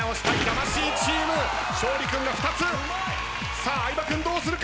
さあ相葉君どうするか！？